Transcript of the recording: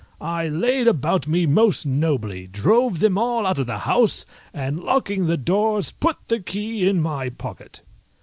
I laid about me most nobly, drove them all out of the house, and locking the doors put the key in my pocket.